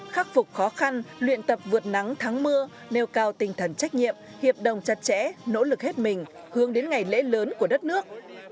khắc phục khó khăn luyện tập vượt nắng thắng mưa nêu cao tinh thần trách nhiệm hiệp đồng chặt chẽ nỗ lực hết mình hướng đến ngày lễ lớn của đất nước